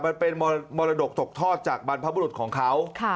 มันเป็นมรดกตกทอดจากบรรพบุรุษของเขา